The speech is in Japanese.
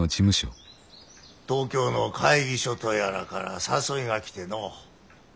東京の会議所とやらから誘いが来てのう。